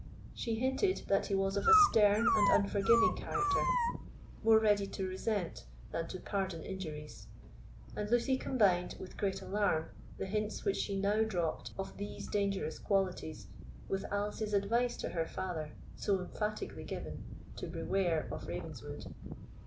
She hinted that he was of a stern and unforgiving character, more ready to resent than to pardon injuries; and Lucy combined, with great alarm, the hints which she now dropped of these dangerous qualities with Alice's advice to her father, so emphatically given, "to beware of Ravenswood."